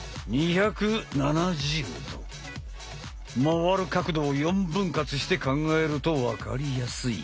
回る角度を４分割して考えると分かりやすい。